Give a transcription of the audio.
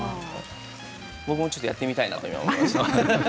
僕もちょっとやってみたいなと今思いました。